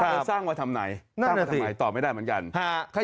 ถ้าสร้างมาทำไหนตอบไม่ได้เหมือนกัน